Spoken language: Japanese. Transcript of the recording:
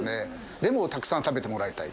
でもたくさん食べてもらいたい。